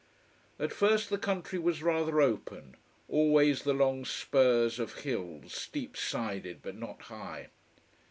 At first the country was rather open: always the long spurs of hills, steep sided, but not high.